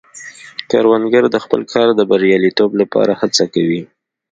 کروندګر د خپل کار د بریالیتوب لپاره هڅه کوي